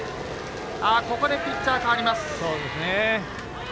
ここでピッチャー代わります。